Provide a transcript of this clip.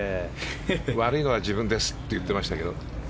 悪いのは自分ですと言ってました。